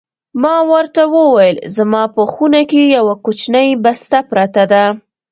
ما ورته وویل: زما په خونه کې یوه کوچنۍ بسته پرته ده.